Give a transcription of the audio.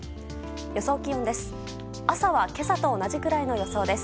予想気温です。